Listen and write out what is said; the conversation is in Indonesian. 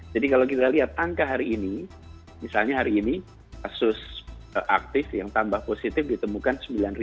jadi kalau kita lihat angka hari ini misalnya hari ini kasus aktif yang tambah positif ditemukan sembilan tiga ratus enam puluh enam